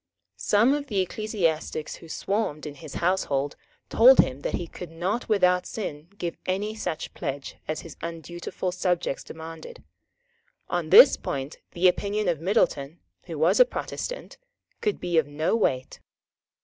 Some of the ecclesiastics who swarmed in his household told him that he could not without sin give any such pledge as his undutiful subjects demanded. On this point the opinion of Middleton, who was a Protestant, could be of no weight.